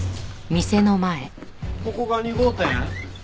ここが２号店？